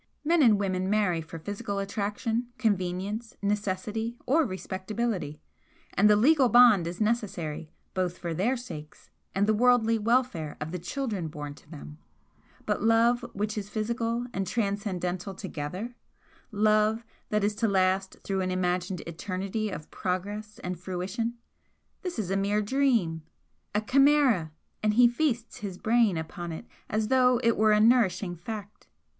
Men and women marry for physical attraction, convenience, necessity or respectability, and the legal bond is necessary both for their sakes and the worldly welfare of the children born to them; but love which is physical and transcendental together, love that is to last through an imagined eternity of progress and fruition, this is a mere dream a chimera! and he feasts his brain upon it as though it were a nourishing fact.